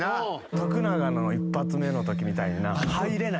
徳永の一発目のときみたいにな入れない。